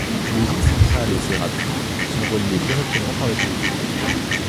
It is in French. L'Usine centrale et ses râperies sont reliées directement par le téléphone.